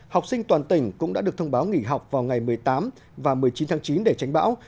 học sinh toàn tỉnh cũng đã được thông báo nghỉ học vào ngày một mươi tám và một mươi chín tháng chín để tránh bão